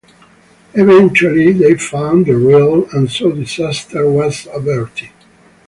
Eventually they found the reel, and so disaster was averted.